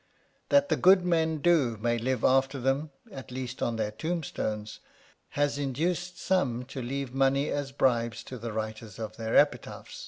That the good men do may live after them, at least on their tombstones, has induced some to leave money as bribes to the writers of their epitaphs.